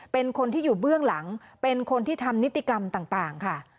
เป็นคนที่อยู่เบื้องหลังเป็นคนที่ทำนิติกรรมต่างค่ะ